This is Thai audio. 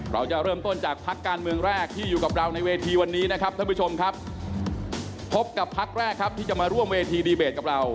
เราจะเริ่มต้นจากพักการเมืองแรกที่อยู่กับเราในเวทีวันนี้นะครับท่านผู้ชมครับพบกับพักแรกครับที่จะมาร่วมเวทีดีเบตกับเรา